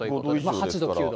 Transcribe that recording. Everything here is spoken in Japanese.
８度、９度。